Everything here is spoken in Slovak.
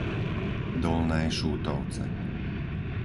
Dolné Šútovce